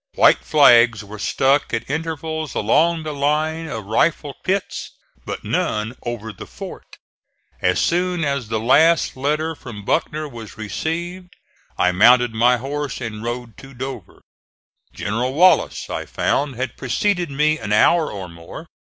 White flags were stuck at intervals along the line of rifle pits, but none over the fort. As soon as the last letter from Buckner was received I mounted my horse and rode to Dover. General Wallace, I found, had preceded me an hour or more.